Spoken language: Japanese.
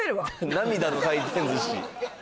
涙の回転寿司。